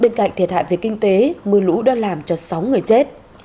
bên cạnh thiệt hại về kinh tế mưa lũ đã làm cho sáu người chết